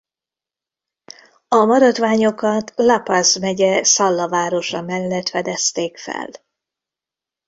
A maradványokat La Paz megye Salla városa mellett fedezték fel.